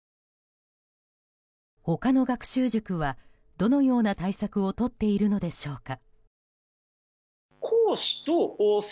他の学習塾はどのような対策をとっているのでしょうか。